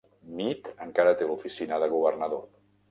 Mead encara té l'oficina de governador.